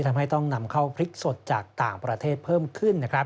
ทำให้ต้องนำเข้าพริกสดจากต่างประเทศเพิ่มขึ้น